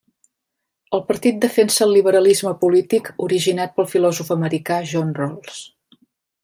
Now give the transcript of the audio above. El partit defensa el liberalisme polític originat pel filòsof americà, John Rawls.